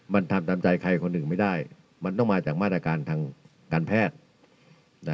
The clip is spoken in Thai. มันทำตามใจใครคนหนึ่งไม่ได้มันต้องมาจากมาตรการทางการแพทย์